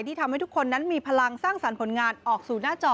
ทำให้ทุกคนนั้นมีพลังสร้างสรรค์ผลงานออกสู่หน้าจอ